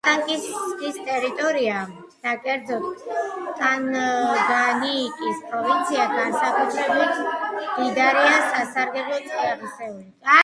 კატანგის ტერიტორია, და კერძოდ, ტანგანიიკის პროვინცია, განსაკუთრებით მდიდარია სასარგებლო წიაღისეულით.